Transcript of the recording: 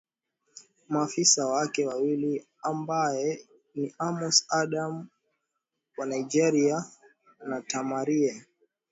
maafisa wake wawili ambaye ni amos adam wa nigeria na temarie